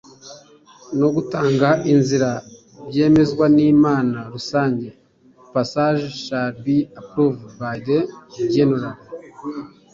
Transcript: no gutanga inzira byemezwa n inama rusange passage shall be approved by the general